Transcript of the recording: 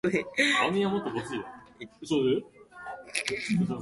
食パンが食べたい